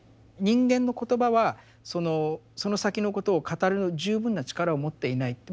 人間の言葉はその先のことを語る十分な力を持っていない。